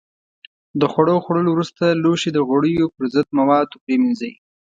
د خوړو خوړلو وروسته لوښي د غوړیو پر ضد موادو پرېمنځئ.